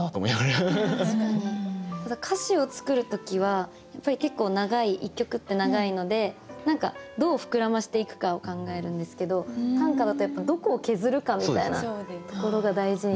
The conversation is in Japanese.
ただ歌詞を作る時はやっぱり結構長い一曲って長いので何かどうふくらませていくかを考えるんですけど短歌だとやっぱどこを削るかみたいなところが大事になる。